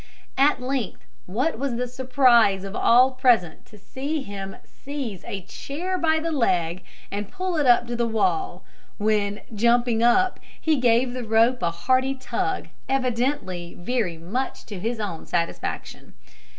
At length, what was the surprise of all present to see him seize a chair by the leg, and pull it up to the wall, when, jumping up, he gave the rope a hearty tug, evidently very much to his own satisfaction.